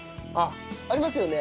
ありますよね？